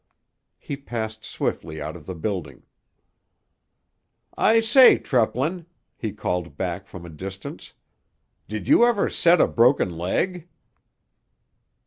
He passed swiftly out of the building. "I say, Treplin," he called back from a distance, "did you ever set a broken leg?"